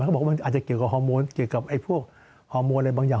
เขาบอกว่ามันอาจจะเกี่ยวกับฮอร์โมนเกี่ยวกับพวกฮอร์โมนอะไรบางอย่าง